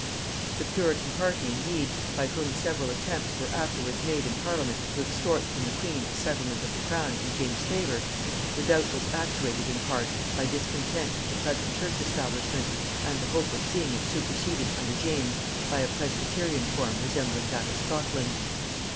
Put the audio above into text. The puritan party indeed, by whom several attempts were afterwards made in parliament to extort from the queen a settlement of the crown in James's favor, were doubtless actuated in part by discontent with the present church establishment, and the hope of seeing it superseded under James by a presbyterian form resembling that of Scotland.